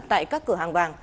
tại các cửa hàng vàng